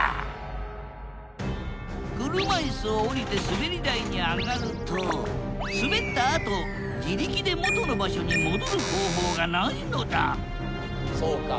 車いすを降りてすべり台に上がるとすべったあと自力で元の場所に戻る方法がないのだそうか。